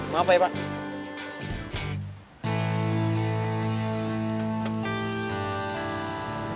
mau apa ya pak